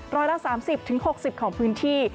ร้อยละ๓๐๖๐ของพื้นที่